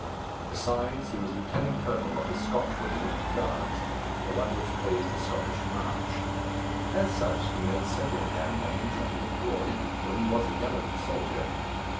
Besides, he was lieutenant colonel of the Scotch regiment of Guards, the one which plays the Scottish march. As such, he made several campaigns, and with glory, for he was a gallant soldier.